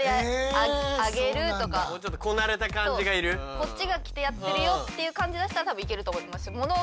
こっちが着てやってるよっていう感じ出したら多分いけると思います。